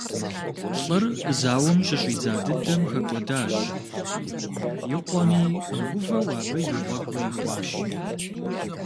ЛӀыр зауэм щыщӀидза дыдэм хэкӀуэдащ, и къуэми мыгувэу абы и гъуэгур ихуащ.